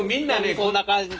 こんな感じで。